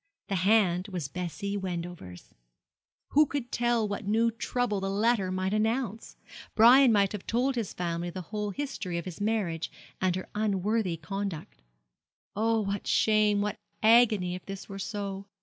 The hand was Bessie Wendover's. Who could tell what new trouble the letter might announce? Brian might have told his family the whole history of his marriage and her unworthy conduct. Oh, what shame, what agony, if this were so!